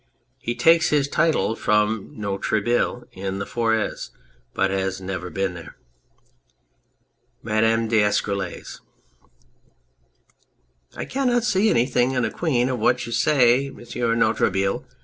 He takes his title from Noirctable in the Forez, but he has never been there.] MADAME O'ESCUROLLES. I cannot see anything in the Queen of what you say, M. de Noiretable.